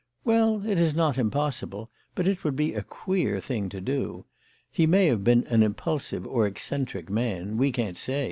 Well, it is not impossible, but it would be a queer thing to do. He may have been an impulsive or eccentric man. We can't say.